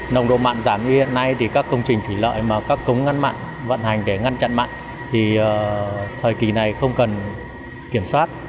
nồng độ mặn giảm như hiện nay thì các công trình thủy lợi mà các cống ngăn mặn vận hành để ngăn chặn mặn thì thời kỳ này không cần kiểm soát